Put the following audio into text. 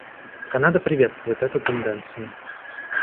Канада приветствует эту тенденцию.